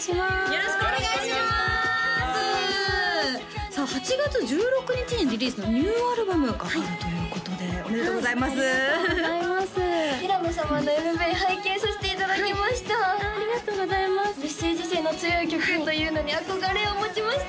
よろしくお願いしますさあ８月１６日にリリースのニューアルバムがあるということでおめでとうございますありがとうございます平野様のＭＶ拝見させていただきましたありがとうございますメッセージ性の強い曲というのに憧れを持ちました